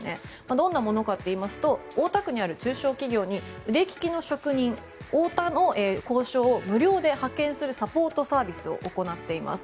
どんなものかといいますと大田区にある中小企業に腕利きの職人、大田の工匠を無料で派遣するサポートサービスを行っています。